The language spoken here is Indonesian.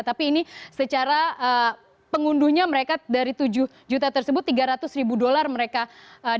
tapi ini secara pengunduhnya mereka dari tujuh juta tersebut tiga ratus ribu dolar mereka dapatkan